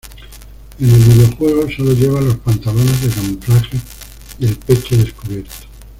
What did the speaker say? En el videojuego sólo lleva los pantalones de camuflaje, y el pecho descubierto.